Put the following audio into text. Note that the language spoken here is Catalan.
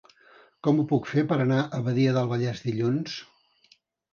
Com ho puc fer per anar a Badia del Vallès dilluns?